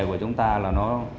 của chúng ta là nó